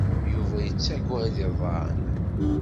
Yuba yettagad iḍan.